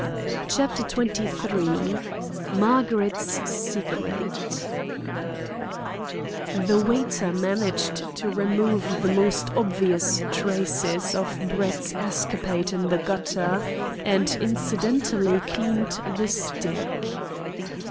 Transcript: CHAPTER XXIII MARGARET'S SECRET The waiter managed to remove the most obvious traces of Brett's escapade in the gutter, and incidentally cleaned the stick.